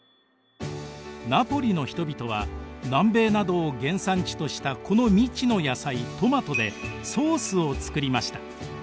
ナポリの人々は南米などを原産地としたこの未知の野菜トマトでソースを作りました。